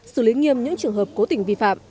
xử lý nghiêm những trường hợp cố tình vi phạm